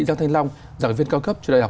giang thanh long giảng viên cao cấp trường đại học